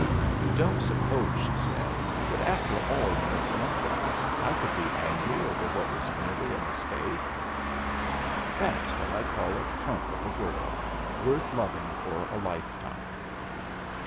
"You don't suppose," she said, "that, after all you have done for us, I could be angry over what was merely a mistake?" That's what I call a trump of a girl, worth loving for a lifetime.